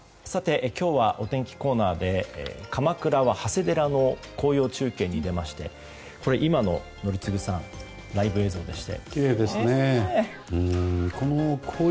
今日は、お天気コーナーで鎌倉は長谷寺の紅葉中継に出まして今のライブ映像でして。